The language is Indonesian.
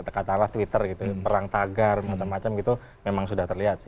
katakanlah twitter gitu perang tagar macam macam gitu memang sudah terlihat sih